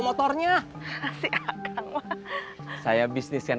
motor baru di ojekin kang